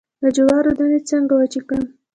د جوارو دانی څنګه وچې کړم؟